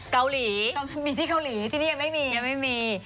เกาหลีมีที่เกาหลีที่นี่ยังไม่มี